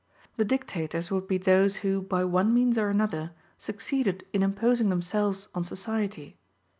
The dictators would be those who, by one means or another, succeeded in imposing themselves on society.